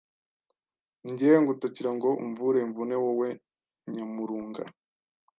Nje ngutakira ngo umvure imvune wowe Nyamurunga